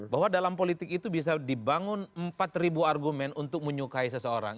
bahwa dalam politik itu bisa dibangun empat argumen untuk menyukai seseorang